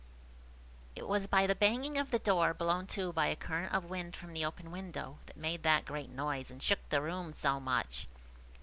IT was but the banging of the door, blown to by a current of wind from the open window, that made that great noise, and shook the room so much!